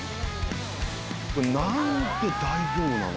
何で大丈夫なの？